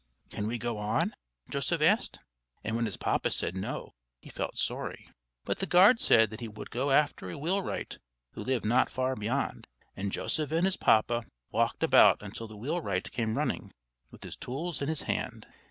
"Can we go on?" Joseph asked. And when his papa said "No," he felt sorry. But the guard said that he would go after a wheelwright who lived not far beyond; and Joseph and his papa walked about until the wheelwright came running, with his tools in his hand.